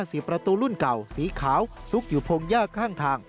สี่ประตูรุ่นเก่าสีขาวซุกอยู่พงยากข้างทาง